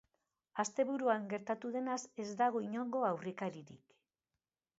Asteburuan gertatu denaz ez dago inongo aurrekaririk.